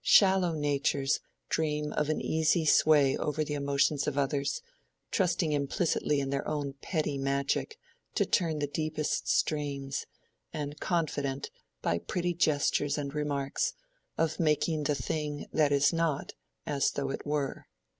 Shallow natures dream of an easy sway over the emotions of others, trusting implicitly in their own petty magic to turn the deepest streams, and confident, by pretty gestures and remarks, of making the thing that is not as though it were.